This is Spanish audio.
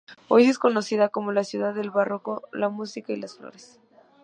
Hoy es conocida como la ciudad del barroco, la música y las flores.